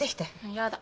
やだ。